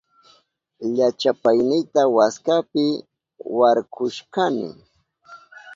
Llachapaynita waskapi warkushkani.